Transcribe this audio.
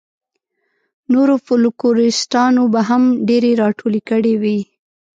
نورو فوکلوریسټانو به هم ډېرې راټولې کړې وي.